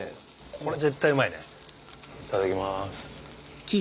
これ絶対うまいねいただきます。